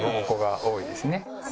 凸凹が多いですね。